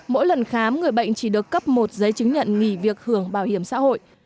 mỗi lần khám người bệnh chỉ được cấp một giấy chứng nhận nghỉ việc hưởng bảo hiểm xã hội